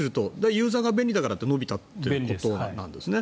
ユーザーが便利だから伸びたということなんですね。